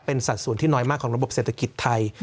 เป็นสัดส่วนที่น้อยมากของระบบเศรษฐกิจไทย